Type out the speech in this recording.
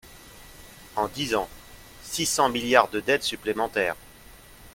En dix ans, six cents milliards de dettes supplémentaires